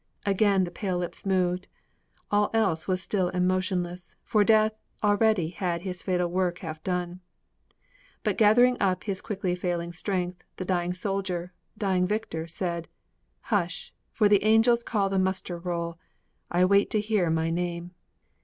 _' Again the pale lips moved, All else was still and motionless, for Death Already had his fatal work half done; But gathering up his quickly failing strength, The dying soldier dying victor said: 'Hush! for the angels call the muster roll! I wait to hear my name!'